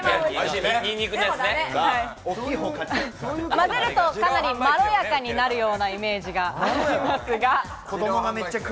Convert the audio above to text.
バズると、かなり、まろやかになるようなイメージがありますが。